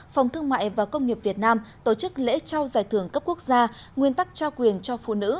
phòng thương mại và công nghiệp việt nam tổ chức lễ trao giải thưởng cấp quốc gia nguyên tắc trao quyền cho phụ nữ